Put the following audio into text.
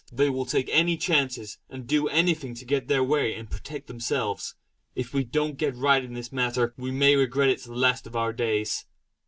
They will take any chances, and do anything to get their way and protect themselves. If we don't go right in this matter, we may regret it to the last of our days."